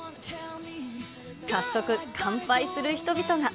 早速、乾杯する人々が。